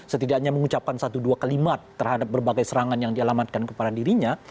setidaknya mengucapkan satu dua kalimat terhadap berbagai serangan yang dialamatkan kepada dirinya